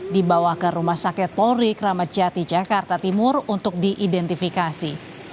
dibawa ke rumah sakit polri kramat jati jakarta timur untuk diidentifikasi